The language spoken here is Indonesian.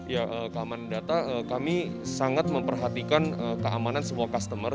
ya keamanan data kami sangat memperhatikan keamanan semua customer